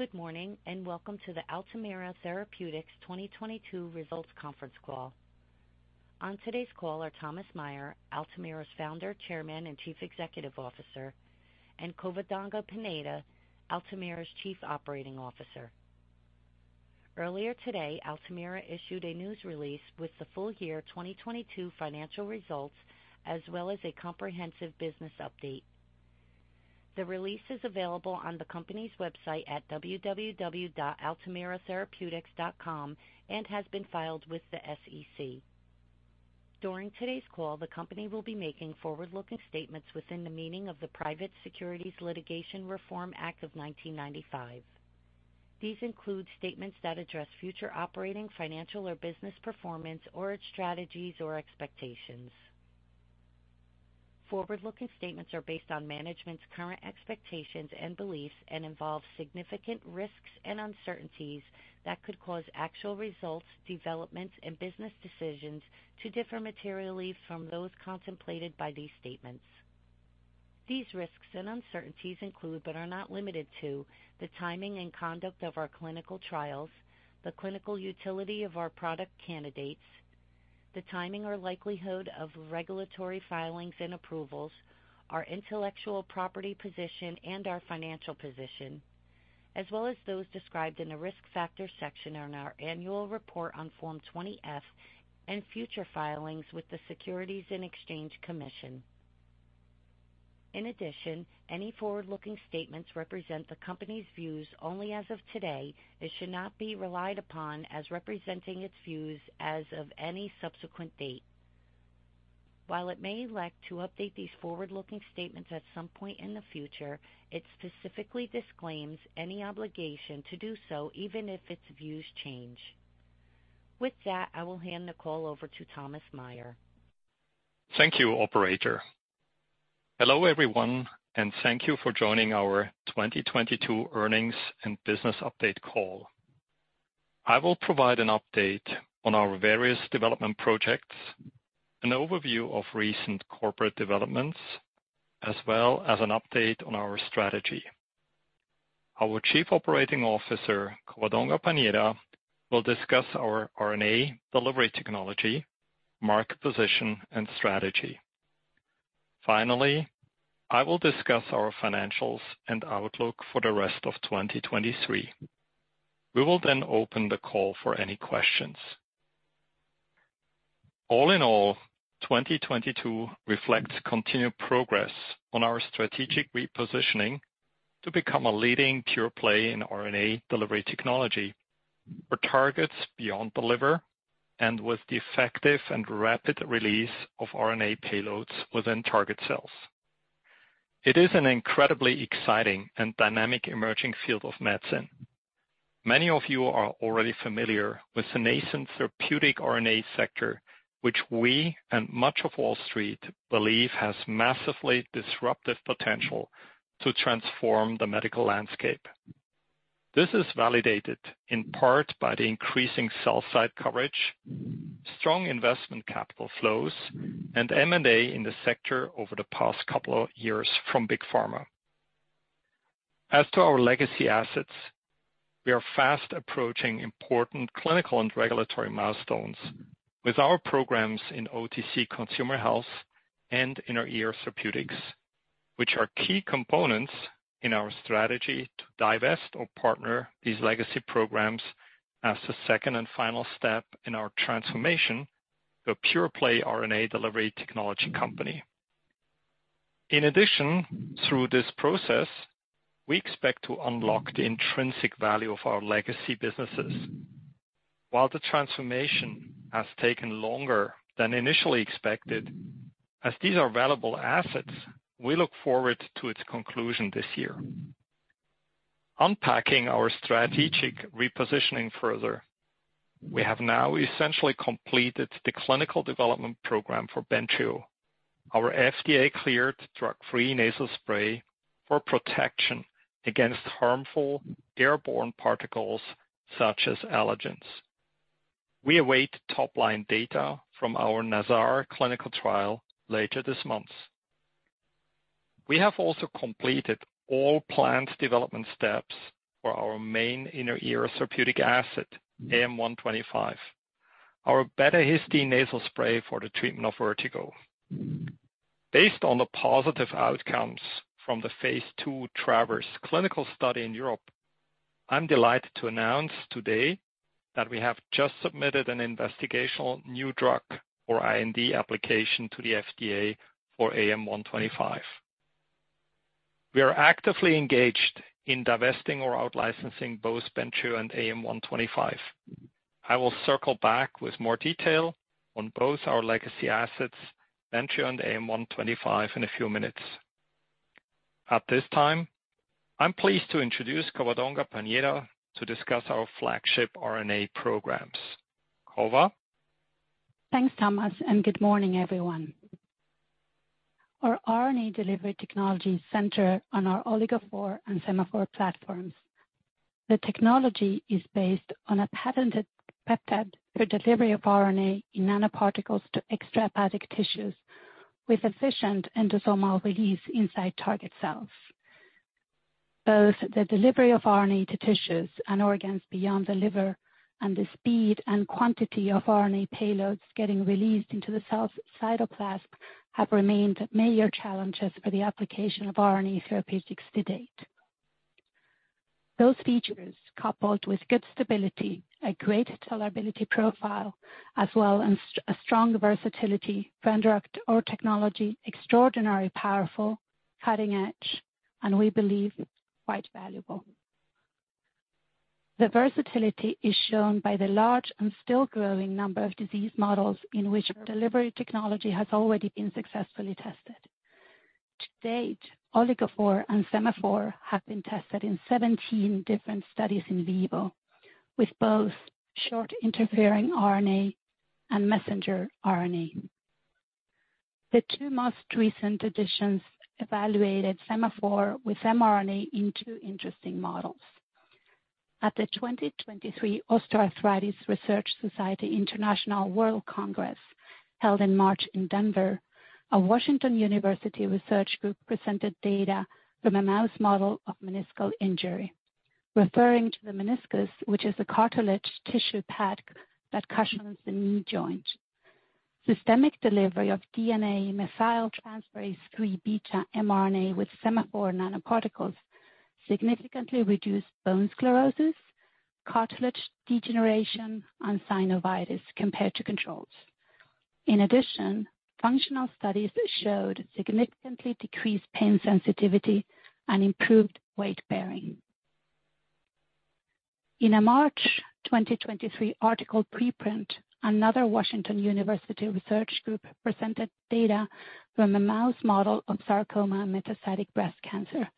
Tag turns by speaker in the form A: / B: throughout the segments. A: Good morning, and welcome to the Altamira Therapeutics 2022 Results Conference Call. On today's call are Thomas Meyer, Altamira's Founder, Chairman, and Chief Executive Officer, and Covadonga Pañeda, Altamira's Chief Operating Officer. Earlier today, Altamira issued a news release with the full year 2022 financial results, as well as a comprehensive business update. The release is available on the company's website at www.altamiratherapeutics.com and has been filed with the SEC. During today's call, the company will be making forward-looking statements within the meaning of the Private Securities Litigation Reform Act of 1995. These include statements that address future operating, financial, or business performance or its strategies or expectations. Forward-looking statements are based on management's current expectations and beliefs and involve significant risks and uncertainties that could cause actual results, developments, and business decisions to differ materially from those contemplated by these statements. These risks and uncertainties include, but are not limited to, the timing and conduct of our clinical trials, the clinical utility of our product candidates, the timing or likelihood of regulatory filings and approvals, our intellectual property position and our financial position, as well as those described in the Risk Factors section on our annual report on Form 20-F and future filings with the Securities and Exchange Commission. In addition, any forward-looking statements represent the company's views only as of today and should not be relied upon as representing its views as of any subsequent date. While it may elect to update these forward-looking statements at some point in the future, it specifically disclaims any obligation to do so even if its views change. With that, I will hand the call over to Thomas Meyer.
B: Thank you, operator. Hello, everyone, and thank you for joining our 2022 earnings and business update call. I will provide an update on our various development projects, an overview of recent corporate developments, as well as an update on our strategy. Our Chief Operating Officer, Covadonga Pañeda, will discuss our RNA delivery technology, market position and strategy. Finally, I will discuss our financials and outlook for the rest of 2023. We will then open the call for any questions. All in all, 2022 reflects continued progress on our strategic repositioning to become a leading pure play in RNA delivery technology for targets beyond the liver and with the effective and rapid release of RNA payloads within target cells. It is an incredibly exciting and dynamic emerging field of medicine. Many of you are already familiar with the nascent therapeutic RNA sector, which we and much of Wall Street believe has massively disruptive potential to transform the medical landscape. This is validated in part by the increasing sell-side coverage, strong investment capital flows, and M&A in the sector over the past couple of years from Big Pharma. As to our legacy assets, we are fast approaching important clinical and regulatory milestones with our programs in OTC consumer health and inner ear therapeutics, which are key components in our strategy to divest or partner these legacy programs as the second and final step in our transformation to a pure-play RNA delivery technology company. In addition, through this process, we expect to unlock the intrinsic value of our legacy businesses. While the transformation has taken longer than initially expected, as these are valuable assets, we look forward to its conclusion this year. Unpacking our strategic repositioning further, we have now essentially completed the clinical development program for Bentrio, our FDA-cleared drug-free nasal spray for protection against harmful airborne particles, such as allergens. We await top-line data from our NASAR clinical trial later this month. We have also completed all planned development steps for our main inner ear therapeutic asset, AM-125, our betahistine nasal spray for the treatment of vertigo. Based on the positive outcomes from the phase 2 TRAVERS clinical study in Europe, I'm delighted to announce today that we have just submitted an Investigational New Drug or IND application to the FDA for AM-125. We are actively engaged in divesting or out licensing both Bentrio and AM-125. I will circle back with more detail on both our legacy assets, Bentrio and AM-125, in a few minutes. At this time, I'm pleased to introduce Covadonga Pañeda to discuss our flagship RNA programs. Cova.
A: Thanks, Thomas. Good morning, everyone. Our RNA delivery technologies center on our OligoPhore and SemaPhore platforms. The technology is based on a patented peptide for delivery of RNA in nanoparticles to extrahepatic tissues.
C: With efficient endosomal release inside target cells. Both the delivery of RNA to tissues and organs beyond the liver and the speed and quantity of RNA payloads getting released into the cell cytoplasm have remained major challenges for the application of RNA therapeutics to date. Those features, coupled with good stability, a great tolerability profile, as well as a strong versatility, render our technology extraordinary powerful, cutting-edge, and we believe quite valuable. The versatility is shown by the large and still growing number of disease models in which delivery technology has already been successfully tested. To date, OligoPhore and SemaPhore have been tested in 17 different studies in vivo, with both short interfering RNA and messenger RNA. The two most recent additions evaluated SemaPhore with mRNA in two interesting models. At the 2023 Osteoarthritis Research Society International World Congress, held in March in Denver, a Washington University research group presented data from a mouse model of meniscal injury, referring to the meniscus, which is a cartilage tissue pad that cushions the knee joint. Systemic delivery of DNA methyltransferase 3 beta mRNA with SemaPhore nanoparticles significantly reduced bone sclerosis, cartilage degeneration, and synovitis compared to controls. In addition, functional studies showed significantly decreased pain sensitivity and improved weight-bearing. In a March 2023 article preprint, another Washington University research group presented data from a mouse model of sarcoma metastatic breast cancer.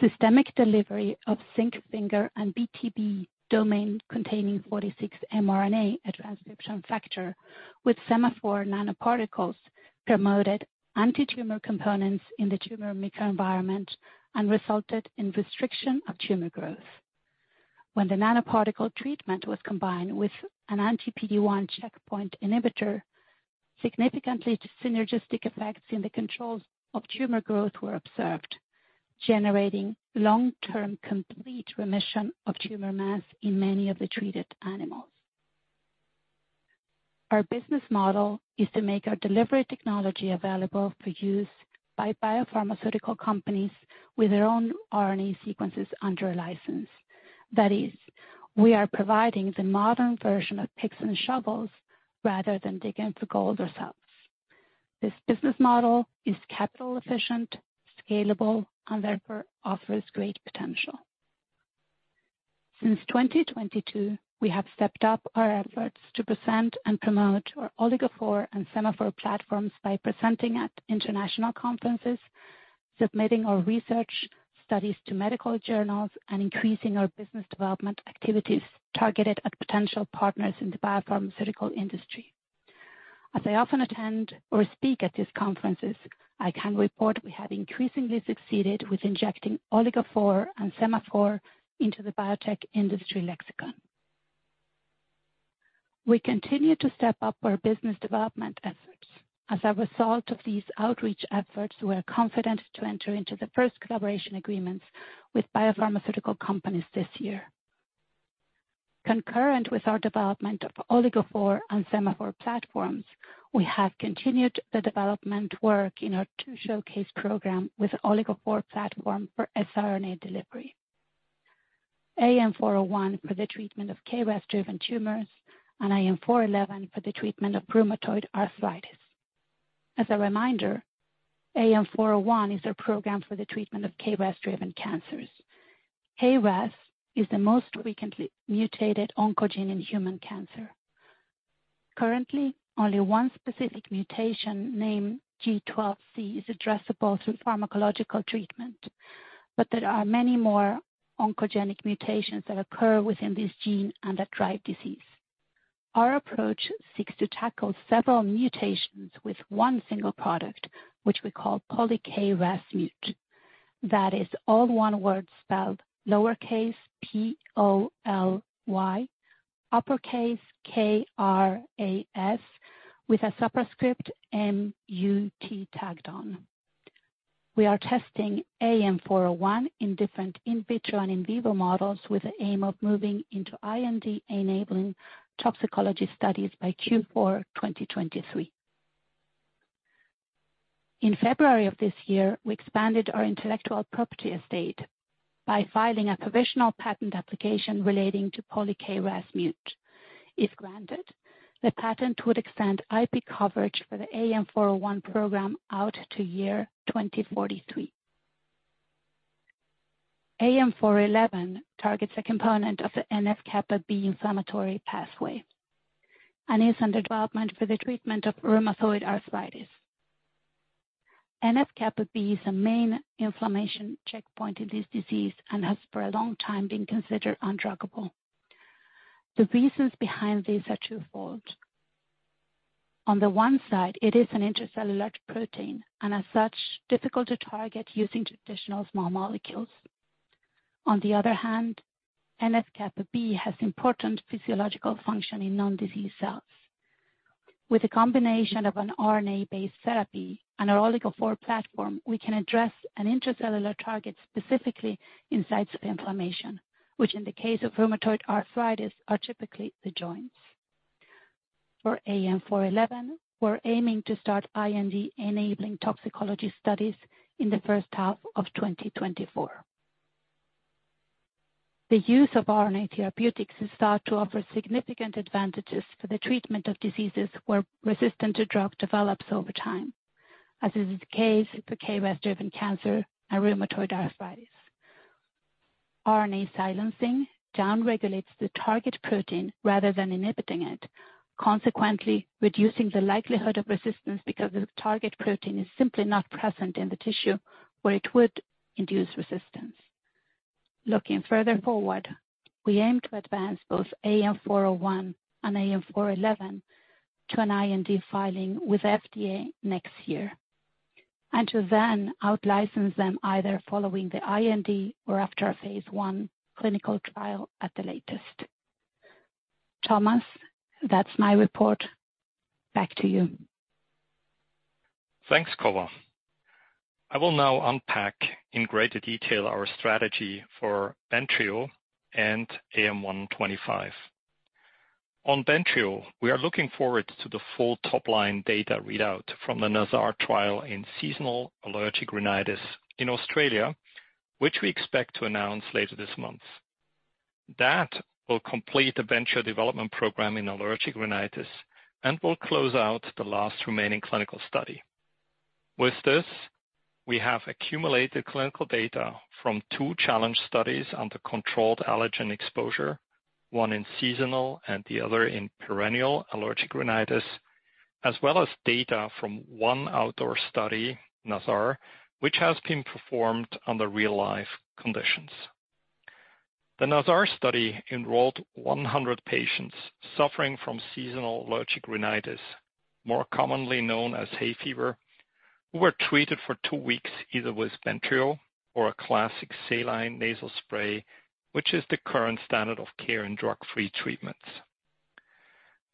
C: Systemic delivery of zinc finger and BTB domain-containing 46 mRNA, a transcription factor, with SemaPhore nanoparticles promoted antitumor components in the tumor microenvironment and resulted in restriction of tumor growth. When the nanoparticle treatment was combined with an anti-PD-1 checkpoint inhibitor, significantly synergistic effects in the controls of tumor growth were observed, generating long-term complete remission of tumor mass in many of the treated animals. Our business model is to make our delivery technology available for use by biopharmaceutical companies with their own RNA sequences under a license. That is, we are providing the modern version of picks and shovels rather than digging for gold ourselves. This business model is capital efficient, scalable, and therefore offers great potential. Since 2022, we have stepped up our efforts to present and promote our OligoPhore and SemaPhore platforms by presenting at international conferences, submitting our research studies to medical journals, and increasing our business development activities targeted at potential partners in the biopharmaceutical industry. As I often attend or speak at these conferences, I can report we have increasingly succeeded with injecting OligoPhore and SemaPhore into the biotech industry lexicon. We continue to step up our business development efforts. As a result of these outreach efforts, we are confident to enter into the first collaboration agreements with biopharmaceutical companies this year. Concurrent with our development of OligoPhore and Sema platforms, we have continued the development work in our two showcase program with OligoPhore platform for siRNA delivery. AM-401 for the treatment of KRAS-driven tumors and AM-411 for the treatment of rheumatoid arthritis. As a reminder, AM-401 is our program for the treatment of KRAS-driven cancers. KRAS is the most frequently mutated oncogene in human cancer. Currently, only one specific mutation named G12C is addressable through pharmacological treatment, but there are many more oncogenic mutations that occur within this gene and that drive disease. Our approach seeks to tackle several mutations with one single product, which we call polyKRASmut. That is all one word spelled lowercase p-o-l-y, uppercase K-R-A-S, with a superscript m-u-t tagged on. We are testing AM-401 in different in vitro and in vivo models with the aim of moving into IND-enabling toxicology studies by Q4 2023. In February of this year, we expanded our intellectual property estate by filing a provisional patent application relating to polyKRASmut. If granted, the patent would extend IP coverage for the AM-401 program out to year 2043. AM-411 targets a component of the NF-κB inflammatory pathway and is under development for the treatment of rheumatoid arthritis. NF-κB is the main inflammation checkpoint in this disease and has for a long time been considered undruggable. The reasons behind this are twofold. On the one side, it is an intracellular protein and as such difficult to target using traditional small molecules. On the other hand, NF-κB has important physiological function in non-disease cells. With a combination of an RNA-based therapy and our OligoPhore platform, we can address an intracellular target specifically in sites of inflammation, which in the case of rheumatoid arthritis, are typically the joints. For AM-411, we're aiming to start IND-enabling toxicology studies in the first half of 2024. The use of RNA therapeutics is thought to offer significant advantages for the treatment of diseases where resistance to drug develops over time, as is the case with KRAS-driven cancer and rheumatoid arthritis. RNA silencing down-regulates the target protein rather than inhibiting it, consequently reducing the likelihood of resistance because the target protein is simply not present in the tissue where it would induce resistance. Looking further forward, we aim to advance both AM-401 and AM-411 to an IND filing with FDA next year, to then out-license them either following the IND or after a phase I clinical trial at the latest. Thomas, that's my report. Back to you.
B: Thanks, Cova. I will now unpack in greater detail our strategy for Bentrio and AM-125. On Bentrio, we are looking forward to the full top-line data readout from the NASAR trial in seasonal allergic rhinitis in Australia, which we expect to announce later this month. That will complete the Bentrio development program in allergic rhinitis and will close out the last remaining clinical study. With this, we have accumulated clinical data from two challenge studies under controlled allergen exposure, one in seasonal and the other in perennial allergic rhinitis, as well as data from one outdoor study, NASAR, which has been performed under real-life conditions. The NASAR study enrolled 100 patients suffering from seasonal allergic rhinitis, more commonly known as hay fever, who were treated for two weeks either with Bentrio or a classic saline nasal spray, which is the current standard of care in drug-free treatments.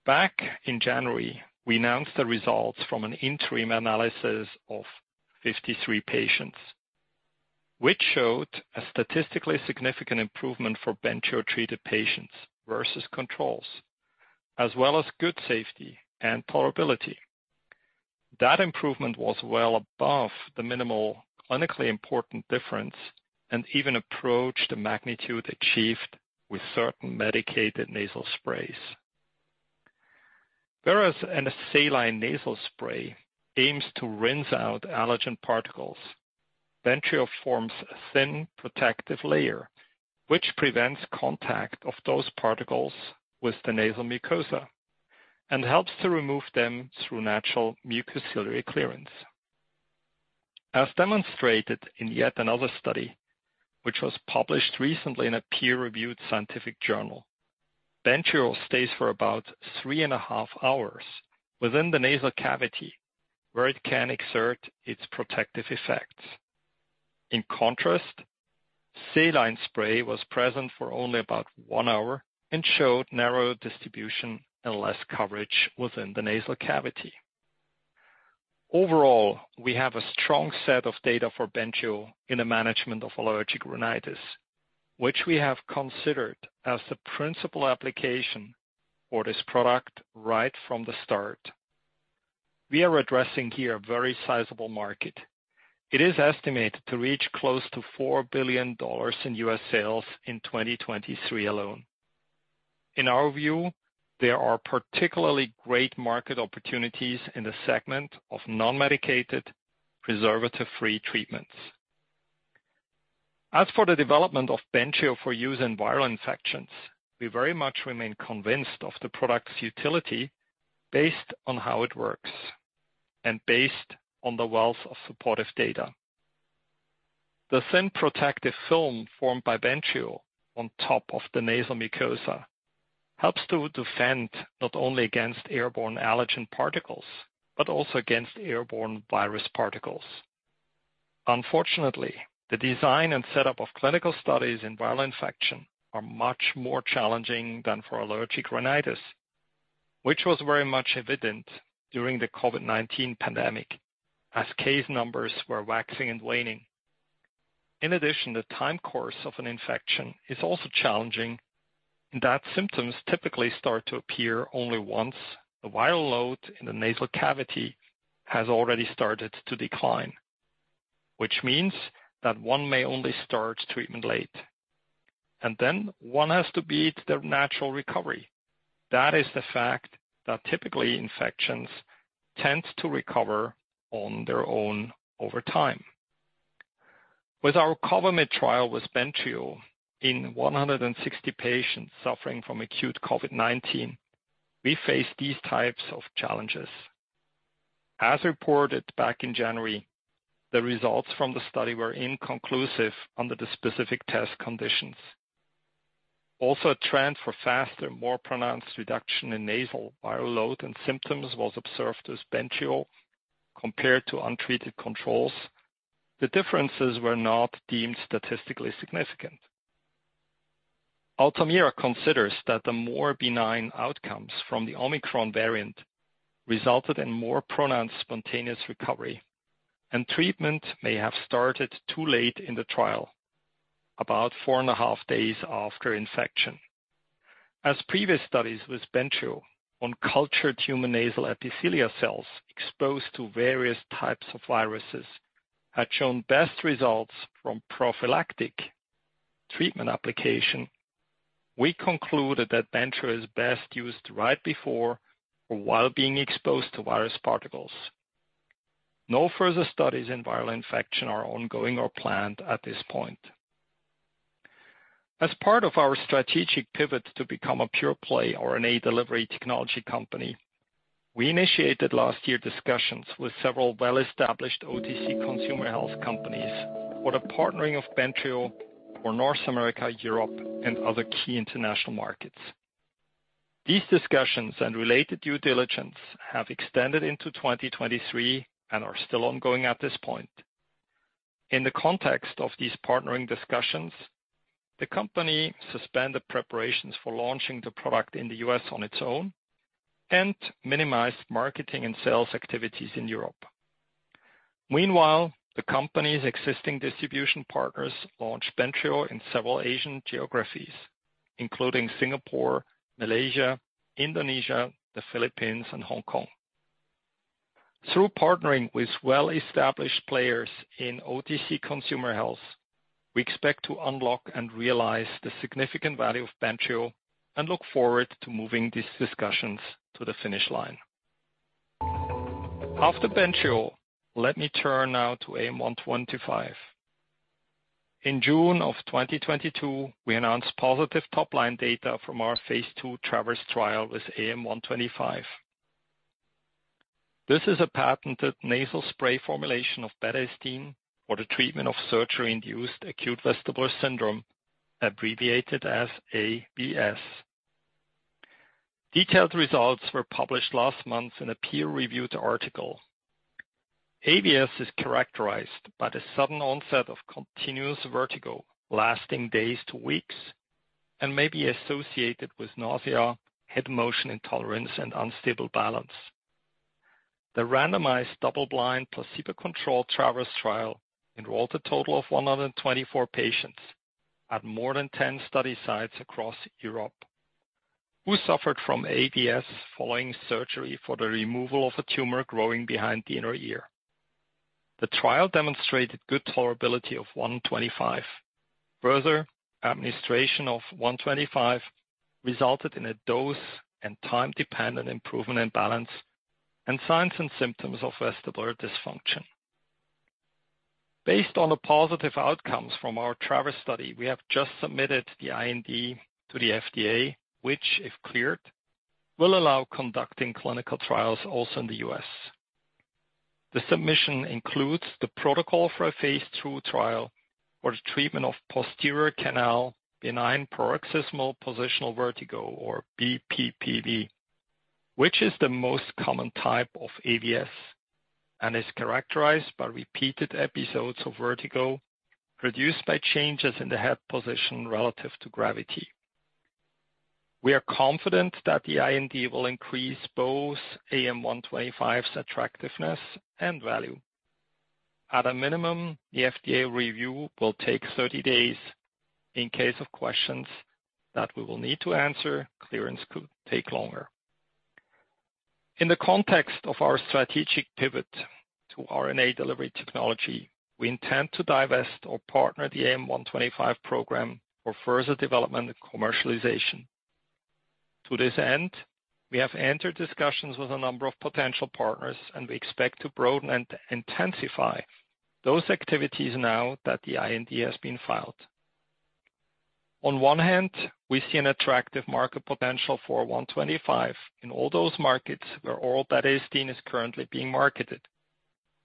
B: Back in January, we announced the results from an interim analysis of 53 patients, which showed a statistically significant improvement for Bentrio-treated patients versus controls, as well as good safety and tolerability. That improvement was well above the minimal clinically important difference and even approached the magnitude achieved with certain medicated nasal sprays. Whereas in a saline nasal spray aims to rinse out allergen particles, Bentrio forms a thin protective layer, which prevents contact of those particles with the nasal mucosa and helps to remove them through natural mucociliary clearance. As demonstrated in yet another study, which was published recently in a peer-reviewed scientific journal, Bentrio stays for about three and a half hours within the nasal cavity, where it can exert its protective effects. In contrast, saline spray was present for only about one hour and showed narrower distribution and less coverage within the nasal cavity. Overall, we have a strong set of data for Bentrio in the management of allergic rhinitis, which we have considered as the principal application for this product right from the start. We are addressing here a very sizable market. It is estimated to reach close to $4 billion in U.S. sales in 2023 alone. In our view, there are particularly great market opportunities in the segment of non-medicated, preservative-free treatments. As for the development of Bentrio for use in viral infections, we very much remain convinced of the product's utility based on how it works and based on the wealth of supportive data. The thin protective film formed by Bentrio on top of the nasal mucosa helps to defend not only against airborne allergen particles, but also against airborne virus particles. Unfortunately, the design and setup of clinical studies in viral infection are much more challenging than for allergic rhinitis, which was very much evident during the COVID-19 pandemic as case numbers were waxing and waning. The time course of an infection is also challenging in that symptoms typically start to appear only once the viral load in the nasal cavity has already started to decline, which means that one may only start treatment late. One has to beat their natural recovery. That is the fact that typically infections tend to recover on their own over time. With our COVAMID trial with Bentrio in 160 patients suffering from acute COVID-19, we face these types of challenges. As reported back in January, the results from the study were inconclusive under the specific test conditions. Also, a trend for faster, more pronounced reduction in nasal viral load and symptoms was observed as Bentrio compared to untreated controls. The differences were not deemed statistically significant. Altamira considers that the more benign outcomes from the Omicron variant resulted in more pronounced spontaneous recovery, and treatment may have started too late in the trial, about four and a half days after infection. As previous studies with Bentrio on cultured human nasal epithelial cells exposed to various types of viruses had shown best results from prophylactic treatment application, we concluded that Bentrio is best used right before or while being exposed to virus particles. No further studies in viral infection are ongoing or planned at this point. As part of our strategic pivot to become a pure-play RNA delivery technology company, we initiated last year discussions with several well-established OTC consumer health companies for the partnering of Bentrio for North America, Europe, and other key international markets. These discussions and related due diligence have extended into 2023 and are still ongoing at this point. In the context of these partnering discussions, the company suspended preparations for launching the product in the U.S. on its own and minimized marketing and sales activities in Europe. Meanwhile, the company's existing distribution partners launched Bentrio in several Asian geographies, including Singapore, Malaysia, Indonesia, the Philippines, and Hong Kong. Through partnering with well-established players in OTC consumer health, we expect to unlock and realize the significant value of Bentrio and look forward to moving these discussions to the finish line. After Bentrio, let me turn now to AM-125. In June of 2022, we announced positive top-line data from our phase II TRAVERS trial with AM-125. This is a patented nasal spray formulation of betahistine for the treatment of surgery-induced acute vestibular syndrome, abbreviated as AVS. Detailed results were published last month in a peer-reviewed article. AVS is characterized by the sudden onset of continuous vertigo lasting days to weeks and may be associated with nausea, head motion intolerance, and unstable balance. The randomized double-blind placebo-controlled TRAVERS trial enrolled a total of 124 patients at more than 10 study sites across Europe who suffered from AVS following surgery for the removal of a tumor growing behind the inner ear. The trial demonstrated good tolerability of AM-125. Administration of AM-125 resulted in a dose and time-dependent improvement in balance and signs and symptoms of vestibular dysfunction. Based on the positive outcomes from our TRAVERS study, we have just submitted the IND to the FDA, which, if cleared, will allow conducting clinical trials also in the U.S. The submission includes the protocol for a phase II trial for the treatment of posterior canal benign paroxysmal positional vertigo, or BPPV, which is the most common type of AVS and is characterized by repeated episodes of vertigo produced by changes in the head position relative to gravity. We are confident that the IND will increase both AM-125's attractiveness and value. At a minimum, the FDA review will take 30 days. In case of questions that we will need to answer, clearance could take longer. In the context of our strategic pivot to RNA delivery technology, we intend to divest or partner the AM-125 program for further development and commercialization. To this end, we have entered discussions with a number of potential partners, and we expect to broaden and intensify those activities now that the IND has been filed. On one hand, we see an attractive market potential for AM-125 in all those markets where all betahistine is currently being marketed,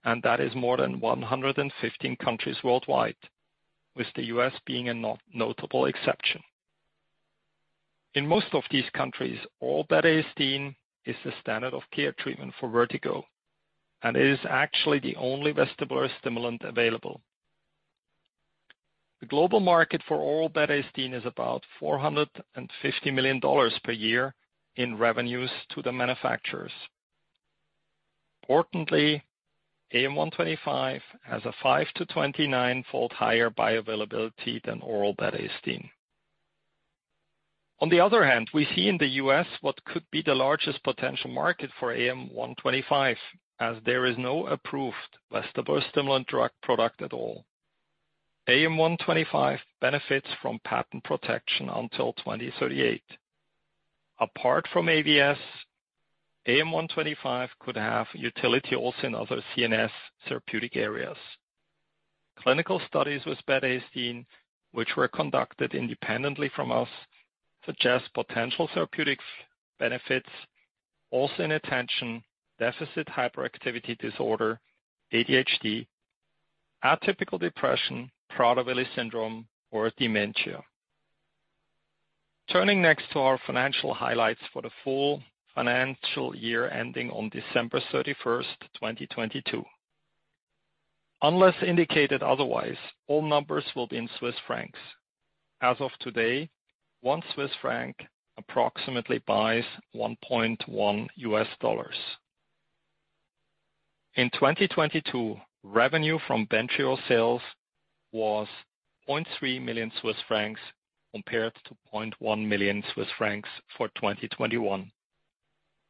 B: and that is more than 115 countries worldwide, with the U.S. being a no, notable exception. In most of these countries, oral betahistine is the standard of care treatment for vertigo and is actually the only vestibular stimulant available. The global market for oral betahistine is about $450 million per year in revenues to the manufacturers. Importantly, AM-125 has a 5- to 29-fold higher bioavailability than oral betahistine. On the other hand, we see in the U.S. what could be the largest potential market for AM-125, as there is no approved vestibular stimulant drug product at all. AM-125 benefits from patent protection until 2038. Apart from AVS, AM-125 could have utility also in other CNS therapeutic areas. Clinical studies with betahistine, which were conducted independently from us, suggest potential therapeutics benefits also in Attention Deficit Hyperactivity Disorder, ADHD, atypical depression, Prader-Willi syndrome, or dementia. Turning next to our financial highlights for the full financial year ending on December 31st, 2022. Unless indicated otherwise, all numbers will be in Swiss francs. As of today, 1 Swiss franc approximately buys 1.1 U.S. dollars. In 2022, revenue from Bentrio sales was 0.3 million Swiss francs, compared to 0.1 million Swiss francs for 2021.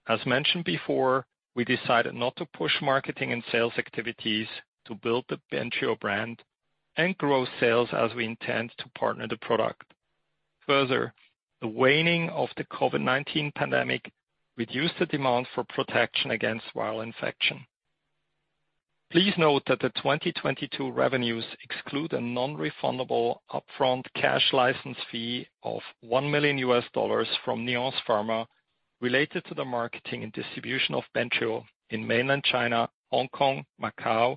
B: As mentioned before, we decided not to push marketing and sales activities to build the Bentrio brand and grow sales as we intend to partner the product. Further, the waning of the COVID-19 pandemic reduced the demand for protection against viral infection. Please note that the 2022 revenues exclude a non-refundable upfront cash license fee of $1 million from Nuance Pharma related to the marketing and distribution of Bentrio in Mainland China, Hong Kong, Macau,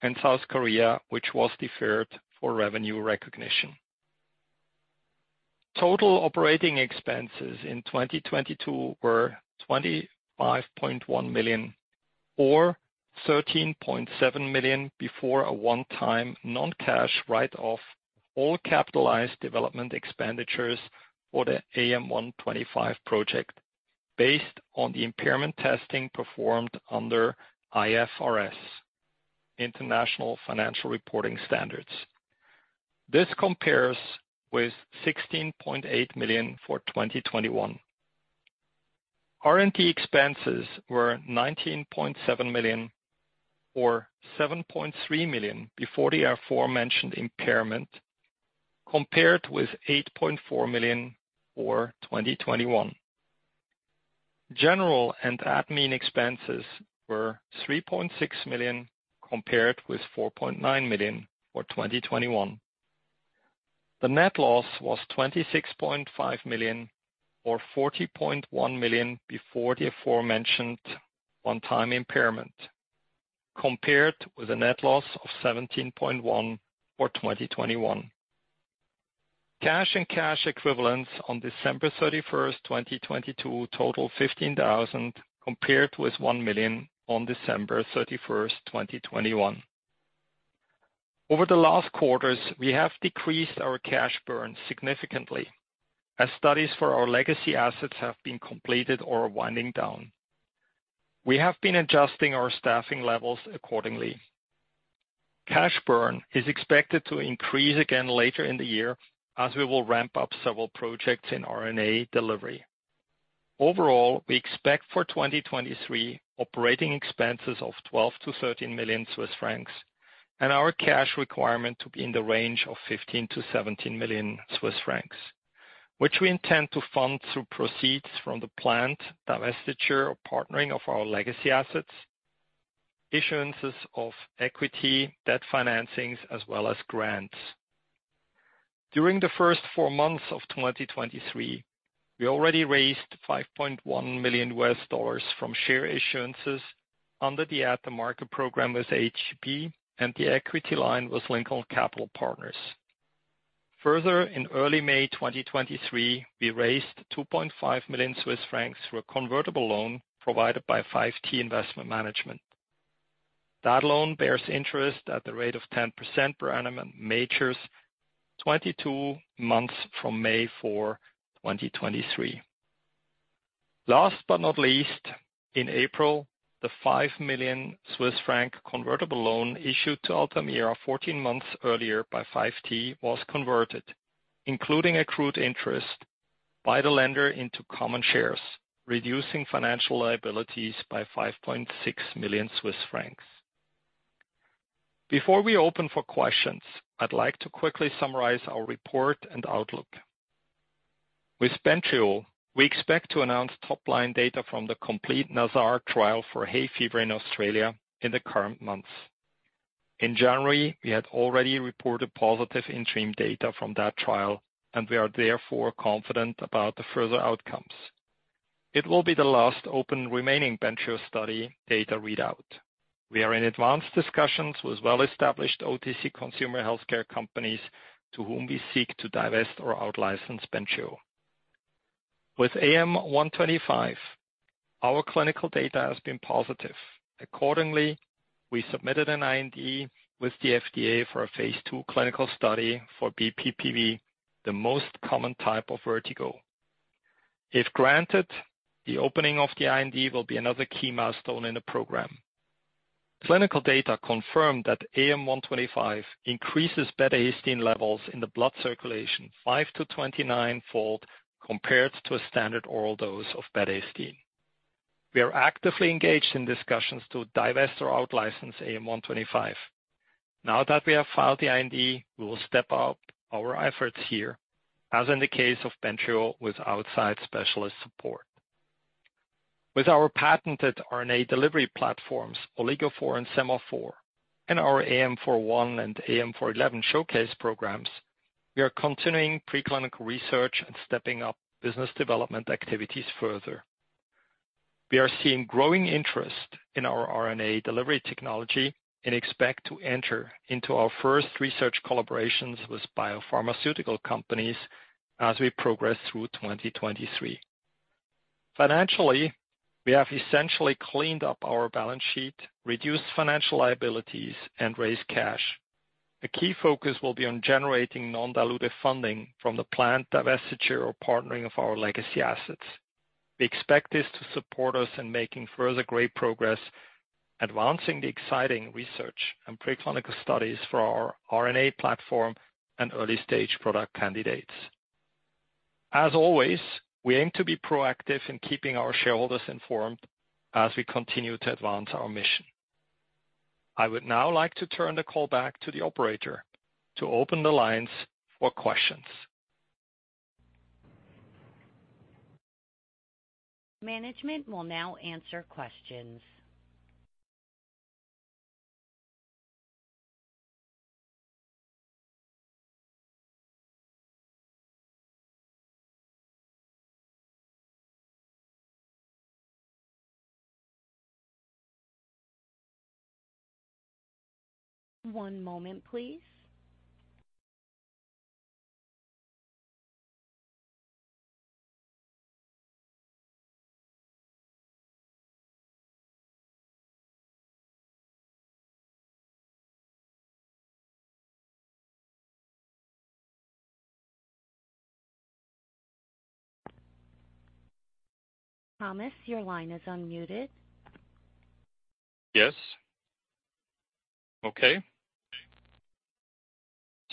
B: and South Korea, which was deferred for revenue recognition. Total operating expenses in 2022 were $25.1 million or $13.7 million before a one-time non-cash write-off, all capitalized development expenditures for the AM-125 project, based on the impairment testing performed under IFRS, International Financial Reporting Standards. This compares with $16.8 million for 2021. R&D expenses were 19.7 million or 7.3 million before the aforementioned impairment, compared with 8.4 million for 2021. General and admin expenses were 3.6 million, compared with 4.9 million for 2021. The net loss was 26.5 million or 40.1 million before the aforementioned one-time impairment, compared with a net loss of 17.1 for 2021. Cash and cash equivalents on December 31st, 2022 total 15,000, compared with 1 million on December 31st, 2021. Over the last quarters, we have decreased our cash burn significantly as studies for our legacy assets have been completed or are winding down. We have been adjusting our staffing levels accordingly. Cash burn is expected to increase again later in the year as we will ramp up several projects in RNA delivery. Overall, we expect for 2023 operating expenses of 12 million-13 million Swiss francs, and our cash requirement to be in the range of 15 million-17 million Swiss francs, which we intend to fund through proceeds from the planned divestiture or partnering of our legacy assets, issuances of equity, debt financings, as well as grants. During the first four months of 2023, we already raised $5.1 million from share issuances under the at-the-market program with HP and the equity line with Lincoln Capital Partners. In early May 2023, we raised 2.5 million Swiss francs through a convertible loan provided by FiveT Investment Management. That loan bears interest at the rate of 10% per annum and matures 22 months from May 4, 2023. Last but not least, in April, the 5 million Swiss franc convertible loan issued to Altamira 14 months earlier by FiveT was converted, including accrued interest by the lender into common shares, reducing financial liabilities by 5.6 million Swiss francs. Before we open for questions, I'd like to quickly summarize our report and outlook. With Bentrio, we expect to announce top-line data from the complete NASAR trial for hay fever in Australia in the current months. In January, we had already reported positive interim data from that trial. We are therefore confident about the further outcomes. It will be the last open remaining Bentrio study data readout. We are in advanced discussions with well-established OTC consumer healthcare companies to whom we seek to divest or out-license Bentrio. With AM-125, our clinical data has been positive. Accordingly, we submitted an IND with the FDA for a phase II clinical study for BPPV, the most common type of vertigo. If granted, the opening of the IND will be another key milestone in the program. Clinical data confirmed that AM-125 increases betahistine levels in the blood circulation 5-29-fold compared to a standard oral dose of betahistine. We are actively engaged in discussions to divest or out-license AM-125. Now that we have filed the IND, we will step up our efforts here, as in the case of Bentrio, with outside specialist support. With our patented RNA delivery platforms, OligoPhore and SemaPhore, and our AM-401 and AM-411 showcase programs, we are continuing preclinical research and stepping up business development activities further. We are seeing growing interest in our RNA delivery technology and expect to enter into our first research collaborations with biopharmaceutical companies as we progress through 2023. Financially, we have essentially cleaned up our balance sheet, reduced financial liabilities and raised cash. A key focus will be on generating non-dilutive funding from the planned divestiture or partnering of our legacy assets. We expect this to support us in making further great progress, advancing the exciting research and preclinical studies for our RNA platform and early-stage product candidates. As always, we aim to be proactive in keeping our shareholders informed as we continue to advance our mission. I would now like to turn the call back to the operator to open the lines for questions.
A: Management will now answer questions. One moment, please. Thomas, your line is unmuted.
B: Yes.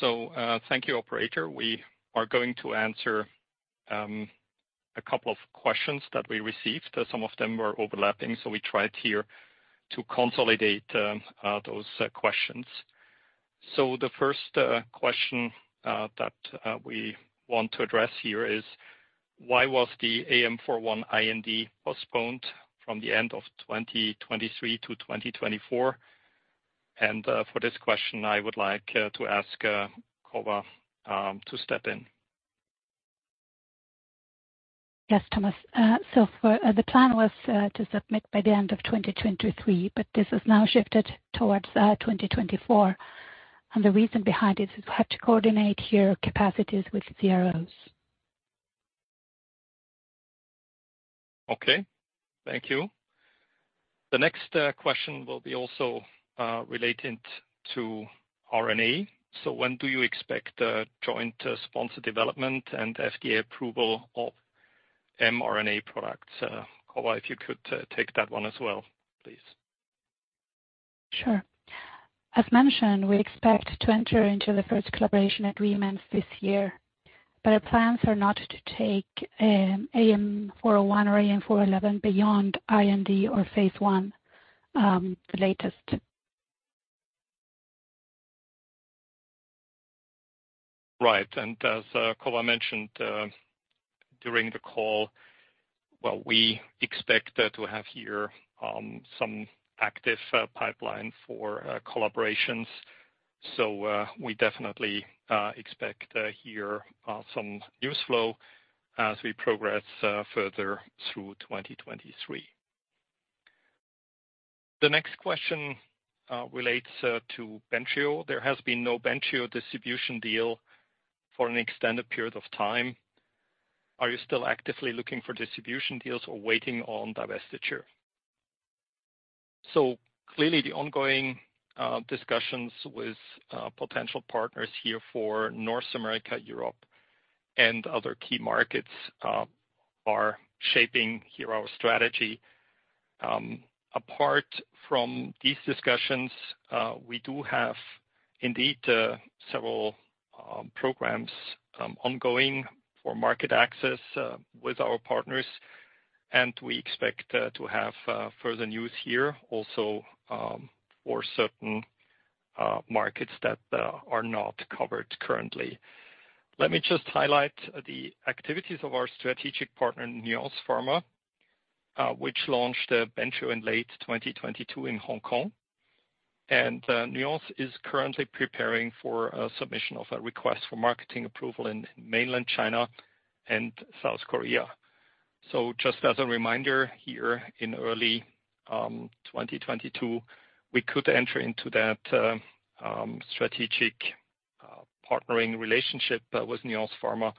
B: Okay. Thank you, operator. We are going to answer a couple of questions that we received. Some of them were overlapping, so we tried here to consolidate those questions. The first question that we want to address here is why was the AM41-IND postponed from the end of 2023 to 2024? For this question, I would like to ask Cova to step in.
C: Yes, Thomas. The plan was to submit by the end of 2023, but this has now shifted towards 2024. The reason behind it is we've had to coordinate here capacities with CROs.
B: Okay. Thank you. The next question will be also related to RNA. When do you expect a joint sponsor development and FDA approval of mRNA products? Cova, if you could take that one as well, please.
C: Sure. As mentioned, we expect to enter into the first collaboration agreements this year. Our plans are not to take AM-401 or AM-411 beyond IND or phase I, the latest.
B: Right. As Cova mentioned, during the call, well, we expect to have here some active pipeline for collaborations. We definitely expect here some news flow as we progress further through 2023. The next question relates to Bentrio. There has been no Bentrio distribution deal for an extended period of time. Are you still actively looking for distribution deals or waiting on divestiture? Clearly the ongoing discussions with potential partners here for North America, Europe, and other key markets are shaping here our strategy. Apart from these discussions, we do have indeed several programs ongoing for market access with our partners, and we expect to have further news here also for certain markets that are not covered currently. Let me just highlight the activities of our strategic partner, Nuance Pharma, which launched Bentrio in late 2022 in Hong Kong. Nuance is currently preparing for a submission of a request for marketing approval in Mainland China and South Korea. Just as a reminder here, in early 2022, we could enter into that strategic partnering relationship with Nuance Pharma.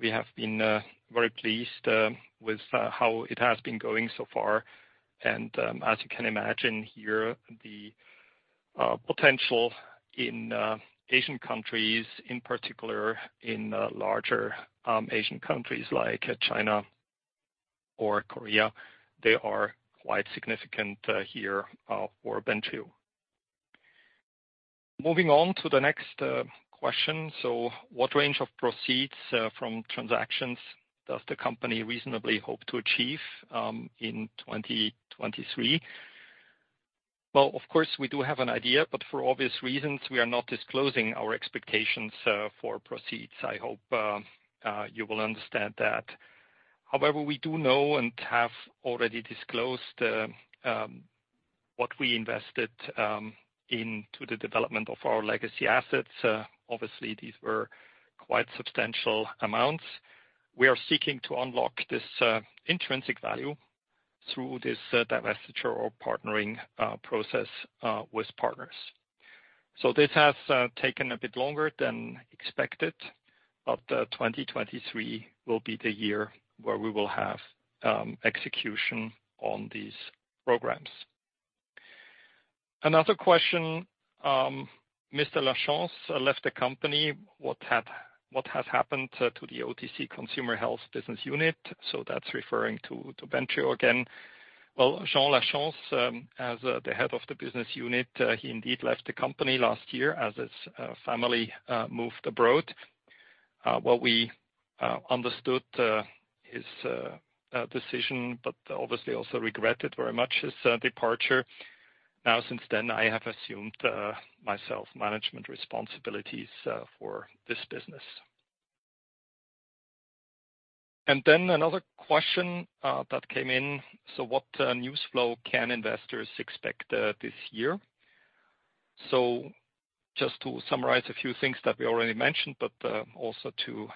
B: We have been very pleased with how it has been going so far. As you can imagine here, the potential in Asian countries in particular in larger Asian countries like China or Korea, they are quite significant here for Bentrio. Moving on to the next question. What range of proceeds from transactions does the company reasonably hope to achieve in 2023? Well, of course we do have an idea, but for obvious reasons, we are not disclosing our expectations for proceeds. I hope you will understand that. However, we do know and have already disclosed what we invested into the development of our legacy assets. Obviously, these were quite substantial amounts. We are seeking to unlock this intrinsic value through this divestiture or partnering process with partners. This has taken a bit longer than expected, but 2023 will be the year where we will have execution on these programs. Another question. Mr. Lachance left the company. What has happened to the OTC consumer health business unit? That's referring to Bentrio again. Well, Jean Lachance, as the head of the business unit, he indeed left the company last year as his family moved abroad. What we understood his decision, but obviously also regretted very much his departure. Since then, I have assumed myself management responsibilities for this business. Another question that came in. What news flow can investors expect this year? Just to summarize a few things that we already mentioned, but also to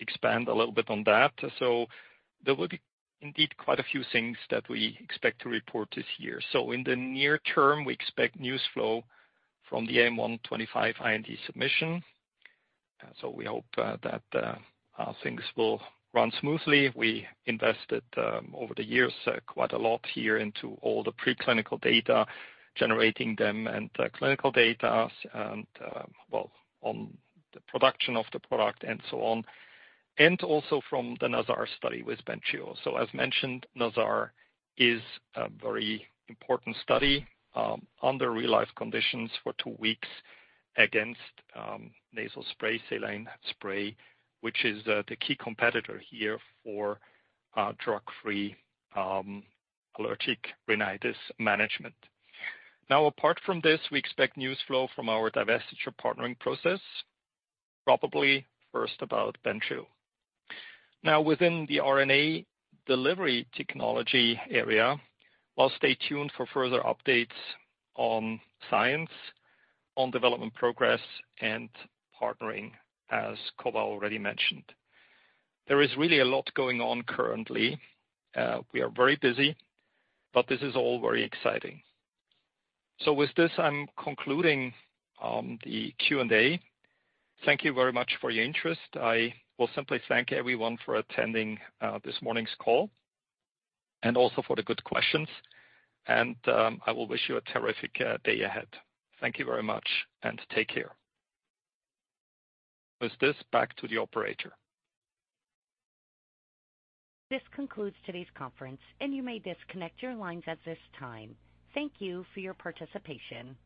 B: expand a little bit on that. There will be indeed quite a few things that we expect to report this year. In the near term, we expect news flow from the AM-125 IND submission. We hope that things will run smoothly. We invested, over the years, quite a lot here into all the preclinical data, generating them and clinical data and, well, on the production of the product and so on, and also from the NASAR study with Bentrio. As mentioned, NASAR is a very important study, under real-life conditions for two weeks against nasal spray, saline spray, which is the key competitor here for drug-free allergic rhinitis management. Apart from this, we expect news flow from our divestiture partnering process, probably first about Bentrio. Within the RNA delivery technology area. Well, stay tuned for further updates on science, on development progress and partnering, as Cova already mentioned. There is really a lot going on currently. We are very busy, but this is all very exciting. With this, I'm concluding the Q&A. Thank you very much for your interest. I will simply thank everyone for attending, this morning's call and also for the good questions. I will wish you a terrific, day ahead. Thank you very much and take care. With this, back to the operator.
A: This concludes today's conference, and you may disconnect your lines at this time. Thank you for your participation.